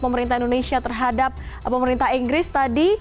pemerintah indonesia terhadap pemerintah inggris tadi